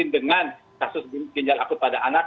dengan kasus ginjal akut pada anak